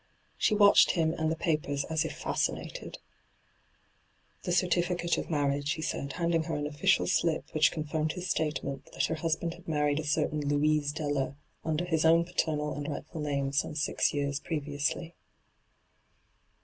She watched him and the papers as if fasci nated ' The certificate of marriage/ he said, hand ing her an official slip which confirmed his statement that her husband had married a certain Louise Deller under his own paternal and rightful name some six years pre viously.